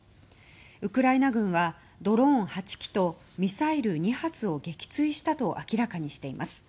ウクライナ軍はドローン８機とミサイル２発を撃墜したと明らかにしています。